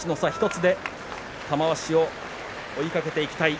１つで玉鷲を追いかけていきたい